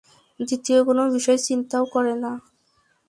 দ্বিতীয় কোন বিষয় চিন্তাও করেনা।